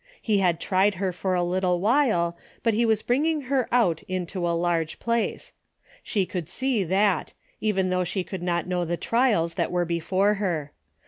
He had tried her for a little while, but he was bringing her out into a large place. She could see that, even though she could not know the trials that were before her.